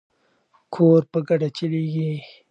کور په ګډه چلیږي.